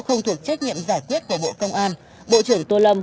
không thuộc trách nhiệm giải quyết của bộ công an